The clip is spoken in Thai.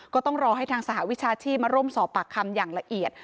ก็ต้องรอให้ทางสหวิชาชีพมาร่วมสอบปากคำอย่างละเอียด